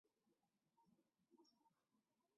通用语言基础架构是一个开放的技术规范。